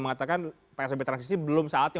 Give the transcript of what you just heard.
mengatakan psbb transisi belum saatnya